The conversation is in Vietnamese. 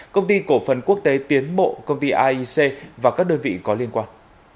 công ty cổ phần quốc tế tiến bộ công ty aic và các đơn vị có liên quan